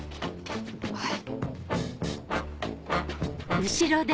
はい。